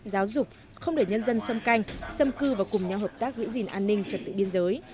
giáo dục không để nhân dân xâm canh xâm cư và cùng nhau hợp tác giữ gìn an ninh trật tự biên giới